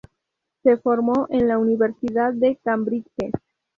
Se formó en la Universidad de Cambridge.